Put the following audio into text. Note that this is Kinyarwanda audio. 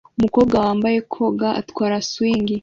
Umukobwa wambaye koga atwara swing